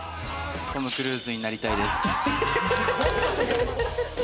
トム・クルーズになりたいです。